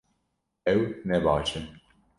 Ew ne baş e